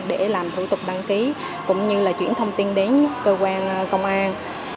để làm thủ tục đăng ký cũng như là chuyển thông tin đến cơ quan công an